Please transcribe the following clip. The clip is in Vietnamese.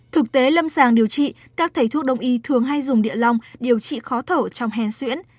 thực tế lâm sàng điều trị các thầy thuốc đông y thường hay dùng địa long điều trị khó thở trong hen xuyễn